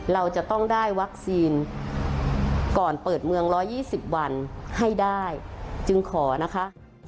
เราจะต้องได้วัคซีนก่อนเปิดเมือง๑๒๐วันให้ได้จึงขอนะคะ